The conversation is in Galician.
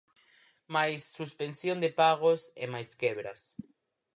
Máis suspensión de pagos e máis quebras.